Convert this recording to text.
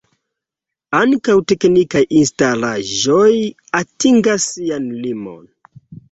Ankaŭ teknikaj instalaĵoj atingas sian limon.